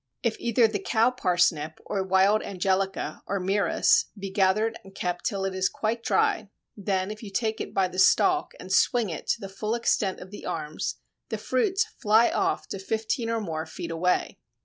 If either the Cow Parsnip or wild Angelica, or Myrrhis, be gathered and kept till it is quite dry, then if you take it by the stalk and swing it to the full extent of the arms the fruits fly off to fifteen (or more) feet away.